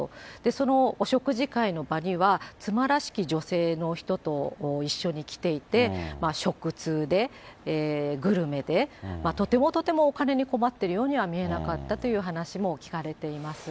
そのお食事会の場には、妻らしき女性の人と一緒に来ていて、食通で、グルメで、とてもとてもお金に困っているようには見えなかったという話も聞かれています。